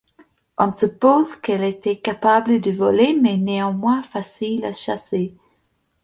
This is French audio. On suppose qu'elle était capable de voler mais néanmoins facile à chasser.